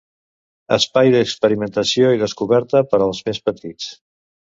Espai d'experimentació i descoberta per als més petits.